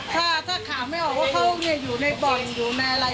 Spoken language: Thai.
ถ้าข่าวไม่ออกว่าเขาอยู่ในบ่อนอยู่ในอะไร